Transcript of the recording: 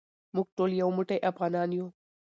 موږ ټول یو موټی افغانان یو.